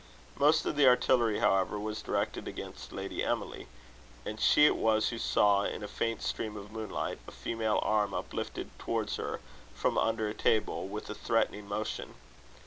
Most of the artillery, however, was directed against Lady Emily; and she it was who saw, in a faint stream of moonlight, a female arm uplifted towards her, from under a table, with a threatening motion.